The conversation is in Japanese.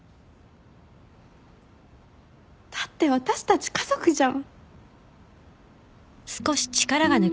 だって私たち家族じゃん。